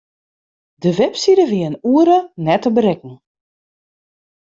De webside wie in oere net te berikken.